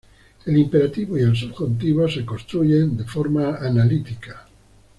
El imperativo y el subjuntivo se construyen de forma analítica.